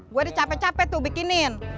gua udah capek capek tuh bikinin